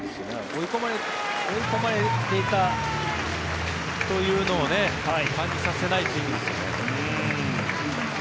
追い込まれていたというのを感じさせないスイングですよね。